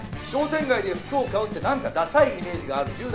「商店街で服を買うって何かダサいイメージがある。